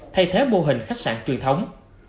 thay thế mô hình khách sạn truyền thống